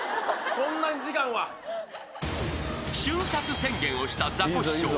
［瞬殺宣言をしたザコシショウ。